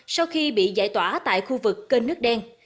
sau khi bị giải tỏa tại khu vực kênh nước đen